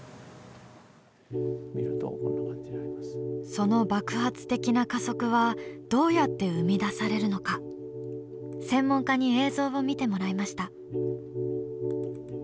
その爆発的な加速はどうやって生み出されるのか専門家に映像を見てもらいました。